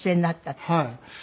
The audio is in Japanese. はい。